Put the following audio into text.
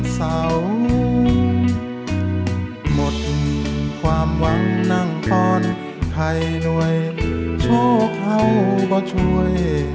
เสาหมดความหวังนั่งปอนใครหน่วยโชคเขาก็ช่วย